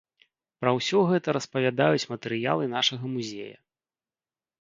Пра ўсё гэта распавядаюць матэрыялы нашага музея.